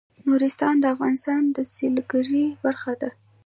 نورستان د افغانستان د سیلګرۍ برخه ده.